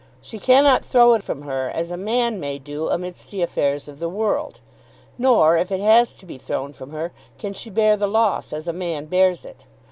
She cannot throw it from her as a man may do amidst the affairs of the world. Nor, if it has to be thrown from her, can she bear the loss as a man bears it.